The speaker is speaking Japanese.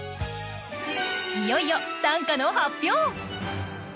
いよいよ短歌の発表！